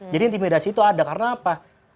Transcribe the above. jadi intimidasi itu ada karena apa